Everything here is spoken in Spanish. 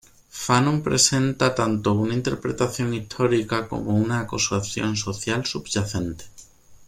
Fanon presenta tanto una interpretación histórica como una acusación social subyacente.